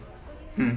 うん？